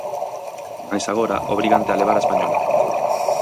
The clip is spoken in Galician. Mais agora obrígante a levar a española.